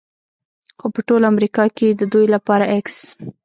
خو په ټول امریکا کې د دوی لپاره x